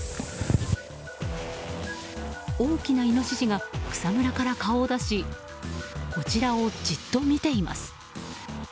大きなイノシシが草むらから顔を出しこちらをじっと見ています。